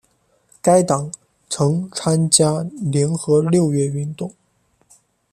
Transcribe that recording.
该党曾参加联合六月运动。